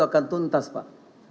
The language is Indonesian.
akan tuntas pak